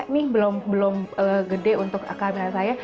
ini belum belum gede untuk akal berantaya